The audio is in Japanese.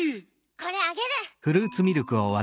これあげる！